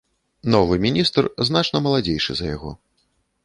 Новы міністр значна маладзейшы за яго.